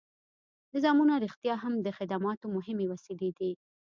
نظامونه رښتیا هم د خدماتو مهمې وسیلې دي.